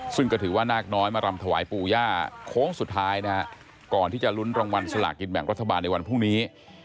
ซึ่งก็ถือว่านาคน้อยมารำถวายปู่ย่าโค้งสุดท้ายนะฮะก่อนที่จะลุ้นรางวัลสลากินแบ่งรัฐบาลในวันพรุ่งนี้